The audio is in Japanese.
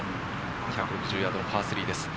１６０ヤードのパー３です。